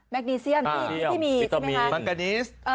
แมกนีเซียนที่มีใช่ไหมครับแมกนีส